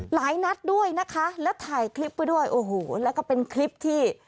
หลายนัดด้วยนะคะแล้วถ่ายคลิปไว้ด้วยโอ้โหแล้วก็เป็นคลิปที่